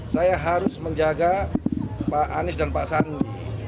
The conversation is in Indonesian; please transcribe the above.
saya harus menjaga pak anies dan pak sandi